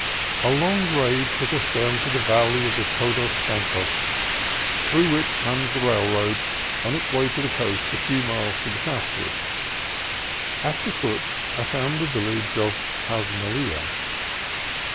A long grade took us down to the valley of the Todos Santos, through which comes the railroad on its way to the coast a few miles to the southward. At the foot I found the village of Casmalia.